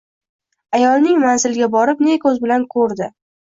Ayolning manziliga borib ne koʻz bilan koʻrdi.